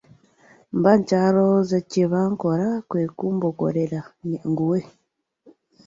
Mba nkyalowooza kye mba nkola kwe kumboggokera nnyanguwe.